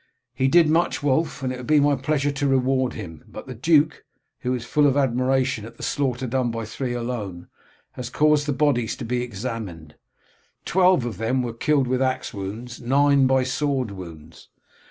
"He did much, Wulf, and it will be my pleasure to reward him, but the duke, who is full of admiration at the slaughter done by three alone, has caused the bodies to be examined. Twelve of them were killed with axe wounds, nine by sword wounds.